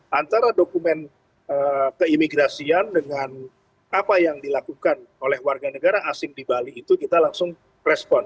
jadi antara dokumen keimigrasian dengan apa yang dilakukan oleh warga negara asing di bali itu kita langsung respon